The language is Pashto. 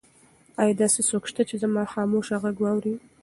ایا داسې څوک شته چې زما خاموشه غږ واوري؟